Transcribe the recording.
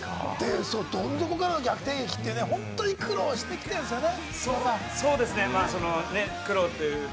どん底からの逆転劇ってね、本当に苦労してきてね。